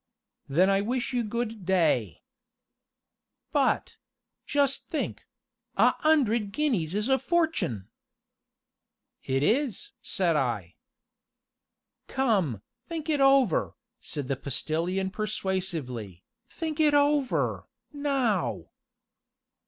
"Then I wish you good day!" "But just think a 'undred guineas is a fortun'!" "It is!" said I. "Come, think it over," said the Postilion persuasively, "think it over, now!"